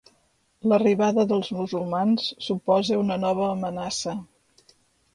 L'arribada dels musulmans suposa una nova amenaça.